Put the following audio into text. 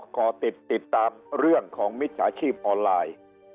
ขอติดติดตามเรื่องของมิจฉาชีพออนไลน์